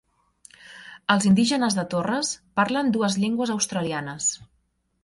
Els indígenes de Torres parlen dues llengües australianes.